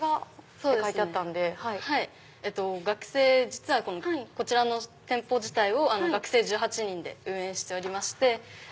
実はこちらの店舗自体を学生１８人で運営しておりまして。